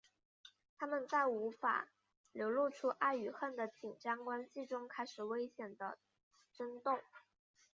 他们在无法流露出爱与恨的紧张关系中开始危险的争斗。